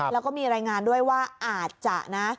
แล้วก็มีรายงานด้วยว่าอาจจะนะ